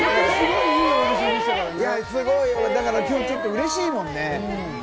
だから今日、ちょっとうれしいもんね。